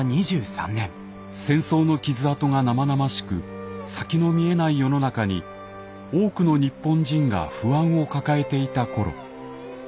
戦争の傷痕が生々しく先の見えない世の中に多くの日本人が不安を抱えていた頃。